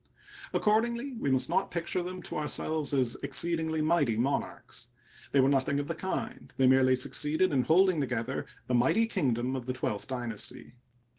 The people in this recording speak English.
Accordingly, we must not picture them to ourselves as exceedingly mighty monarcns. They were nothing of the kind; they merely succeeded in holding together the mighty kingdom of the twelfth dynasty.